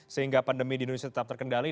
sehingga pandemi di indonesia tetap terkendali